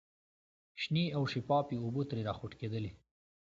شنې او شفافې اوبه ترې را خوټکېدلې.